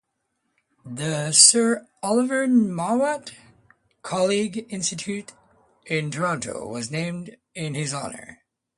The Sir Oliver Mowat Collegiate Institute in Toronto was named in his honour.